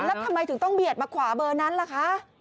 แล้วทำไมถึงต้องเบียดมาขวาเบอร์นั้นล่ะคะ